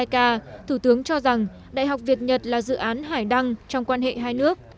chủ tịch jica thủ tướng cho rằng đại học việt nhật là dự án hải đăng trong quan hệ hai nước